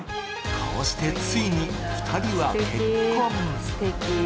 こうしてついに２人は結婚。